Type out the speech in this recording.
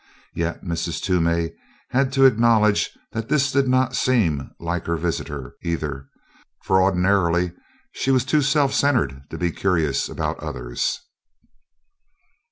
Yet Mrs. Toomey had to acknowledge that this did not seem like her visitor, either, for ordinarily she was too self centered to be very curious about others.